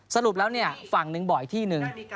สรุปแล้วฝั่งหนึ่งบอกอีกที่หนึ่ง